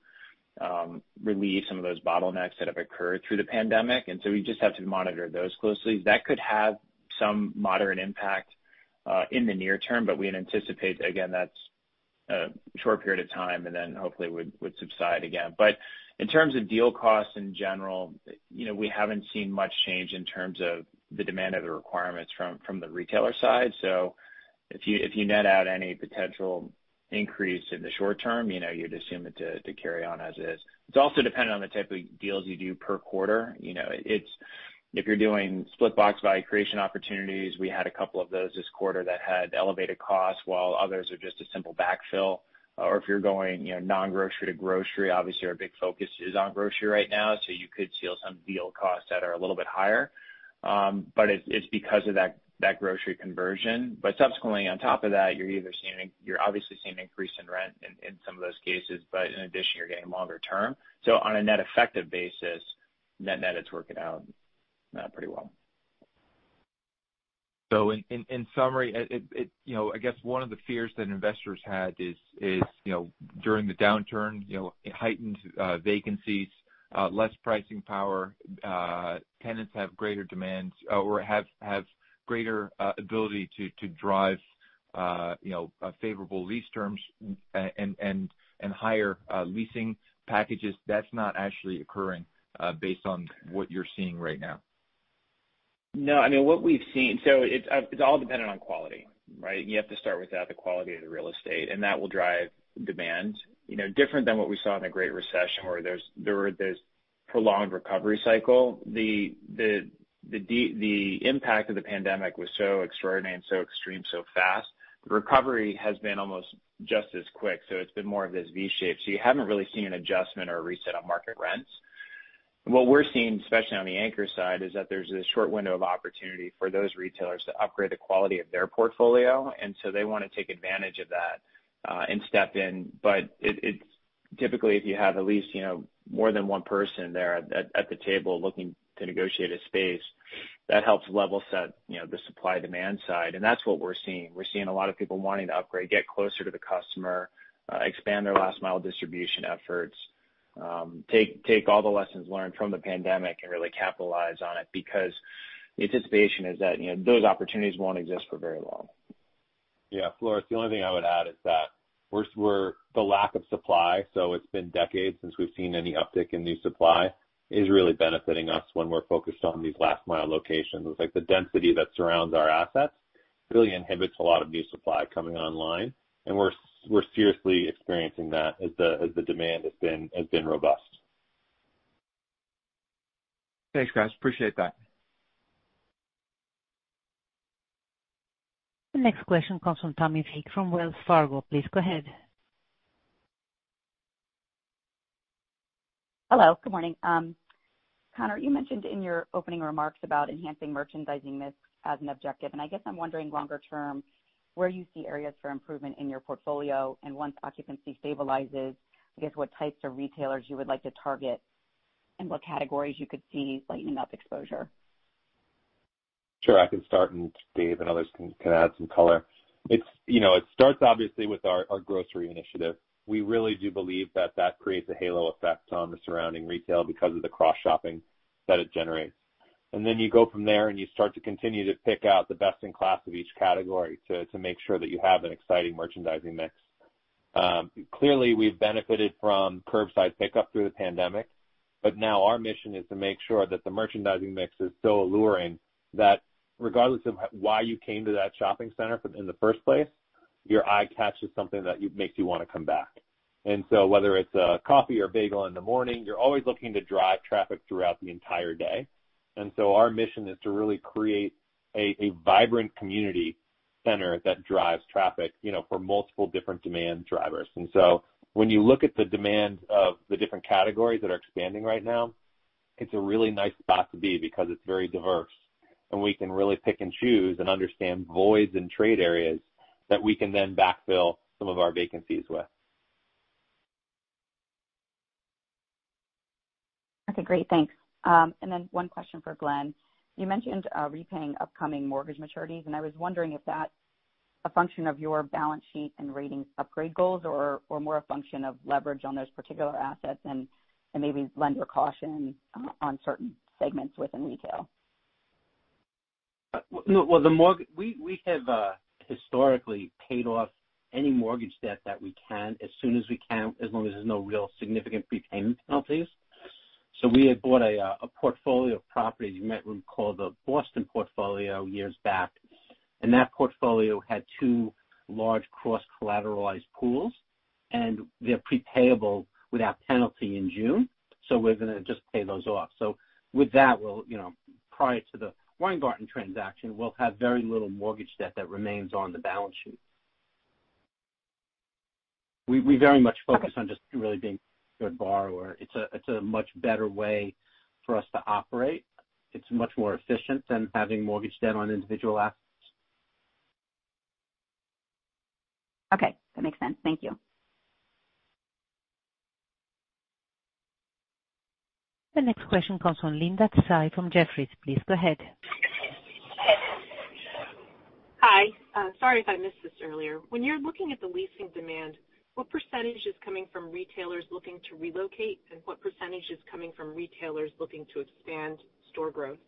relieve some of those bottlenecks that have occurred through the pandemic. We just have to monitor those closely. That could have some moderate impact in the near term, but we'd anticipate, again, that's a short period of time, and then hopefully would subside again. In terms of deal costs in general, we haven't seen much change in terms of the demand of the requirements from the retailer side. If you net out any potential increase in the short term, you'd assume it to carry on as is. It's also dependent on the type of deals you do per quarter. If you're doing split box value creation opportunities, we had a couple of those this quarter that had elevated costs, while others are just a simple backfill. If you're going non-grocery to grocery, obviously our big focus is on grocery right now, so you could see some deal costs that are a little bit higher. It's because of that grocery conversion. Subsequently, on top of that, you're obviously seeing an increase in rent in some of those cases. In addition, you're getting longer term. On a net effective basis, net-net, it's working out pretty well. In summary, I guess one of the fears that investors had is during the downturn, heightened vacancies, less pricing power, tenants have greater demands or have greater ability to drive favorable lease terms and higher leasing packages. That's not actually occurring based on what you're seeing right now. It's all dependent on quality, right? You have to start with that, the quality of the real estate, and that will drive demand. Different than what we saw in the Great Recession, where there was this prolonged recovery cycle. The impact of the pandemic was so extraordinary and so extreme so fast. The recovery has been almost just as quick, it's been more of this V shape. You haven't really seen an adjustment or a reset on market rents. What we're seeing, especially on the anchor side, is that there's this short window of opportunity for those retailers to upgrade the quality of their portfolio, they want to take advantage of that and step in. It's typically, if you have at least more than one person there at the table looking to negotiate a space, that helps level set the supply-demand side. That's what we're seeing. We're seeing a lot of people wanting to upgrade, get closer to the customer, expand their last mile distribution efforts, take all the lessons learned from the pandemic and really capitalize on it because the anticipation is that those opportunities won't exist for very long. Yeah. Floris, the only thing I would add is that the lack of supply, so it's been decades since we've seen any uptick in new supply, is really benefiting us when we're focused on these last mile locations. The density that surrounds our assets really inhibits a lot of new supply coming online, and we're seriously experiencing that as the demand has been robust. Thanks, guys. Appreciate that. The next question comes from Tammi Fique from Wells Fargo. Please go ahead. Hello, good morning. Conor, you mentioned in your opening remarks about enhancing merchandising mix as an objective, and I guess I'm wondering longer term, where you see areas for improvement in your portfolio and once occupancy stabilizes, I guess what types of retailers you would like to target and what categories you could see lightening up exposure. Sure. I can start and Dave and others can add some color. It starts obviously with our grocery initiative. We really do believe that that creates a halo effect on the surrounding retail because of the cross-shopping that it generates. You go from there and you start to continue to pick out the best in class of each category to make sure that you have an exciting merchandising mix. Clearly, we've benefited from curbside pickup through the pandemic, our mission is to make sure that the merchandising mix is so alluring that regardless of why you came to that shopping center in the first place, your eye catch is something that makes you want to come back. Whether it's a coffee or a bagel in the morning, you're always looking to drive traffic throughout the entire day. Our mission is to really create a vibrant community center that drives traffic for multiple different demand drivers. When you look at the demands of the different categories that are expanding right now, it's a really nice spot to be because it's very diverse, and we can really pick and choose and understand voids in trade areas that we can then backfill some of our vacancies with. Okay, great. Thanks. One question for Glenn. You mentioned repaying upcoming mortgage maturities, and I was wondering if that's a function of your balance sheet and ratings upgrade goals or more a function of leverage on those particular assets and maybe lender caution on certain segments within retail. We have historically paid off any mortgage debt that we can as soon as we can, as long as there's no real significant prepayment penalties. We had bought a portfolio of properties you might recall the Boston portfolio years back, and that portfolio had two large cross-collateralized pools, and they're prepayable without penalty in June, so we're going to just pay those off. With that, prior to the Weingarten transaction, we'll have very little mortgage debt that remains on the balance sheet. We very much focus on just really being a good borrower. It's a much better way for us to operate. It's much more efficient than having mortgage debt on individual assets. Okay. That makes sense. Thank you. The next question comes from Linda Tsai from Jefferies. Please go ahead. Hi. Sorry if I missed this earlier. When you're looking at the leasing demand, what percentage is coming from retailers looking to relocate, and what percentage is coming from retailers looking to expand store growth?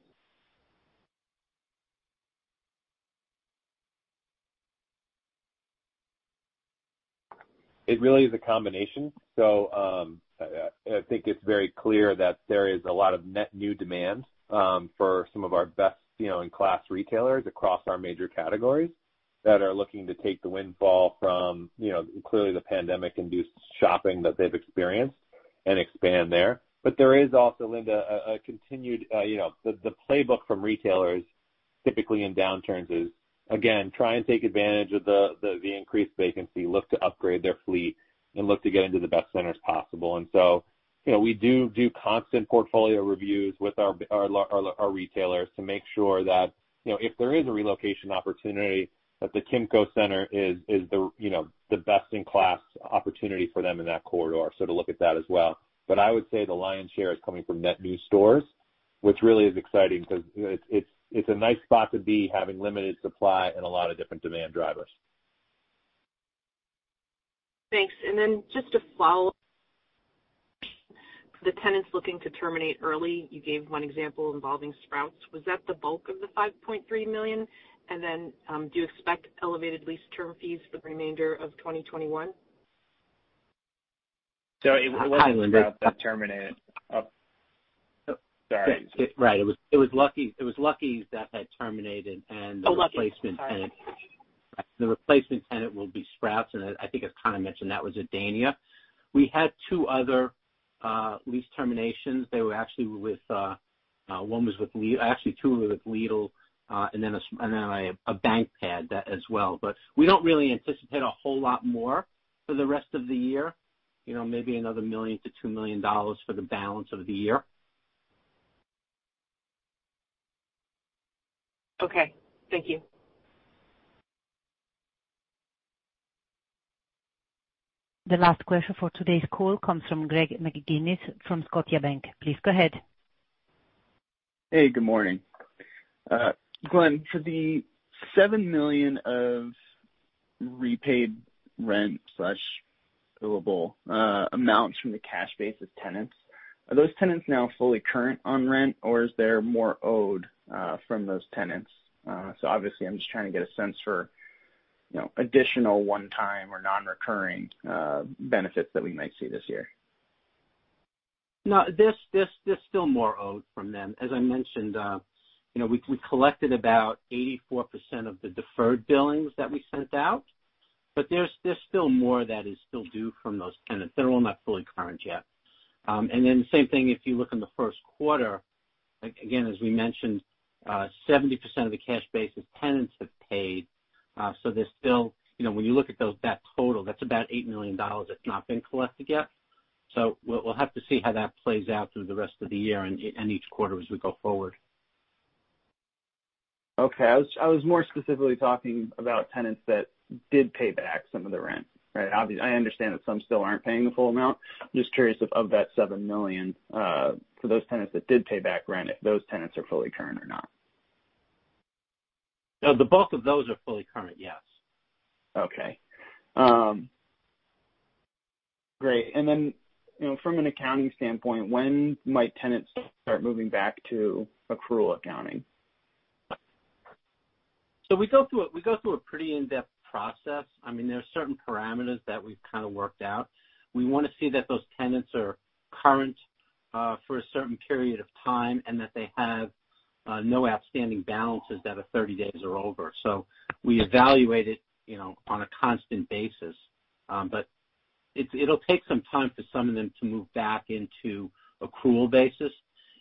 It really is a combination. I think it's very clear that there is a lot of net new demand for some of our best-in-class retailers across our major categories that are looking to take the windfall from clearly the pandemic-induced shopping that they've experienced and expand there. There is also, Linda, the playbook from retailers typically in downturns is again, try and take advantage of the increased vacancy, look to upgrade their fleet, and look to get into the best centers possible. We do constant portfolio reviews with our retailers to make sure that if there is a relocation opportunity, that the Kimco center is the best-in-class opportunity for them in that corridor, so to look at that as well. I would say the lion's share is coming from net new stores, which really is exciting because it's a nice spot to be having limited supply and a lot of different demand drivers. Thanks. Just a follow-up. The tenants looking to terminate early, you gave one example involving Sprouts. Was that the bulk of the $5.3 million? Do you expect elevated lease term fees for the remainder of 2021? Oh, sorry. Right. It was Lucky's that had terminated. Oh, Lucky's. Sorry. The replacement tenant will be Sprouts, I think as Conor mentioned, that was at Dania. We had two other lease terminations. Actually, two were with Lidl, then a bank pad as well. We don't really anticipate a whole lot more for the rest of the year. Maybe another $1 million-$2 million for the balance of the year. Okay. Thank you. The last question for today's call comes from Greg McGinniss from Scotiabank. Please go ahead. Hey, good morning. Glenn, for the $7 million of repaid rent/billable amounts from the cash basis tenants, are those tenants now fully current on rent, or is there more owed from those tenants? Obviously, I'm just trying to get a sense for additional one-time or non-recurring benefits that we might see this year. No, there's still more owed from them. As I mentioned, we collected about 84% of the deferred billings that we sent out, but there's still more that is still due from those tenants. They're all not fully current yet. Then same thing if you look in the first quarter, again, as we mentioned, 70% of the cash basis tenants have paid. When you look at that total, that's about $8 million that's not been collected yet. We'll have to see how that plays out through the rest of the year and each quarter as we go forward. Okay. I was more specifically talking about tenants that did pay back some of the rent. Right? I understand that some still aren't paying the full amount. I'm just curious if, of that $7 million, for those tenants that did pay back rent, if those tenants are fully current or not? No, the bulk of those are fully current, yes. Okay. Great. From an accounting standpoint, when might tenants start moving back to accrual accounting? We go through a pretty in-depth process. There are certain parameters that we've kind of worked out. We want to see that those tenants are current for a certain period of time, and that they have no outstanding balances that are 30 days or over. We evaluate it on a constant basis. It'll take some time for some of them to move back into accrual basis.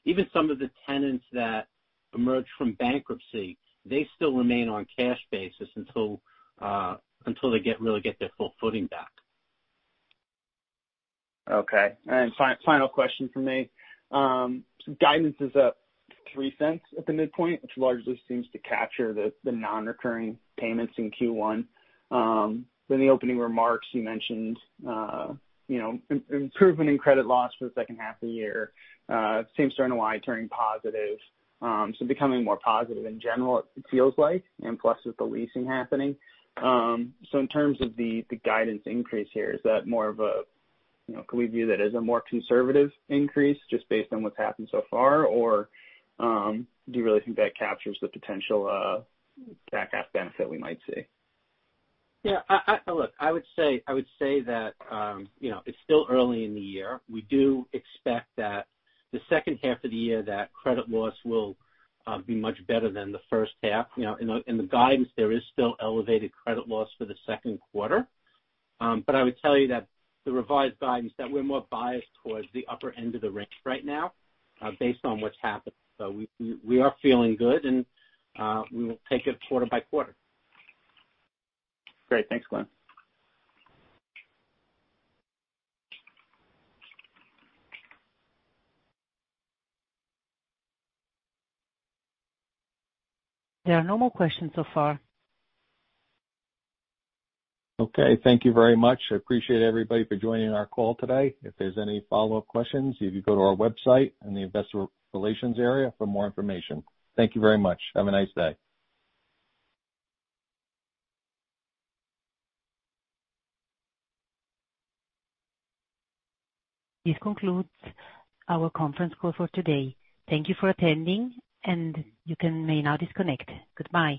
Even some of the tenants that emerge from bankruptcy, they still remain on cash basis until they really get their full footing back. Okay. Final question from me. Guidance is up $0.03 at the midpoint, which largely seems to capture the non-recurring payments in Q1. In the opening remarks, you mentioned improvement in credit loss for the second half of the year. It seems to NOI turning positive. Becoming more positive in general, it feels like, and plus with the leasing happening. In terms of the guidance increase here, can we view that as a more conservative increase just based on what's happened so far, or do you really think that captures the potential back half benefit we might see? I would say that it's still early in the year. We do expect that the second half of the year, that credit loss will be much better than the first half. In the guidance, there is still elevated credit loss for the second quarter. I would tell you that the revised guidance, that we're more biased towards the upper end of the range right now based on what's happened. We are feeling good, and we will take it quarter by quarter. Great. Thanks, Glenn. There are no more questions so far. Okay. Thank you very much. I appreciate everybody for joining our call today. If there's any follow-up questions, you could go to our website in the investor relations area for more information. Thank you very much. Have a nice day. This concludes our conference call for today. Thank you for attending, and you may now disconnect. Goodbye.